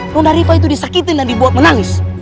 bunda riva itu disakitin dan dibuat menangis